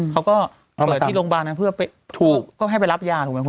เขาก็เปิดที่โรงพยาบาลนะเพื่อให้ไปรับยาถูกไหมครับ